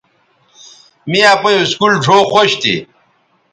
می اپئیں اسکول ڙھؤ خوش تھی